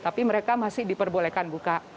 tapi mereka masih diperbolehkan buka